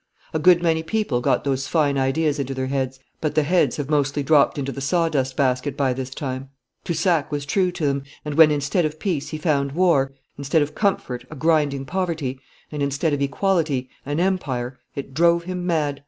A good many people got those fine ideas into their heads, but the heads have mostly dropped into the sawdust basket by this time. Toussac was true to them, and when instead of peace he found war, instead of comfort a grinding poverty, and instead of equality an Empire, it drove him mad.